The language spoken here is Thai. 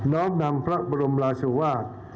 ้อมนำพระบรมราชวาส